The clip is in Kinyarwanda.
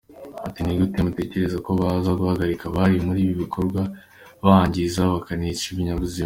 Ati “Ni gute mutekereza ko bazaza guhagarika abari muri ibi bikorwa bangiza bakanica ibinyabuzima?